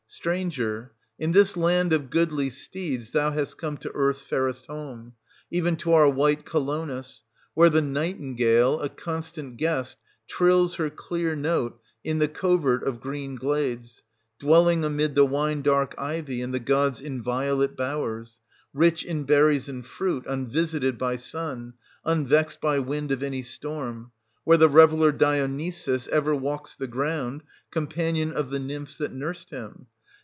Ch. Stranger, in this land of goodly steeds thou hast come to earth's fairest home, even to our white 670 Colonus ; where the nightingale, a constant guest, trills her clear note in the covert of green glades, dwelling amid the wine dark 'wy and the god's inviolate bowers, rich in berries and fruit, unvisited by sun, unvexed by wind of any storm ; where the reveller Dionysus ever walks the ground, companion of the nymphs that nursed 680 him.